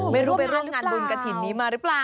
ไม่รู้ไปร่วมงานบุญกระถิ่นนี้มาหรือเปล่า